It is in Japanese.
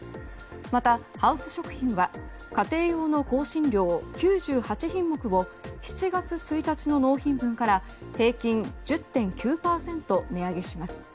また、ハウス食品は家庭用の香辛料９８品目を７月１日の納品分から平均１０．９％値上げします。